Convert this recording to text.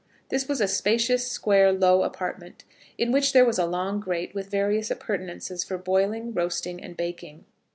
This was a spacious, square, low apartment, in which there was a long grate with various appurtenances for boiling, roasting, and baking.